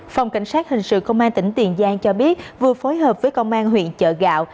phòng cảnh sát hình sự công an tỉnh tiền giang cho biết vừa phối hợp với công an huyện chợ gạo